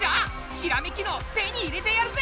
ひらめき脳手に入れてやるぜ！